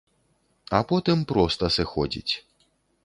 А потым проста сыходзіць.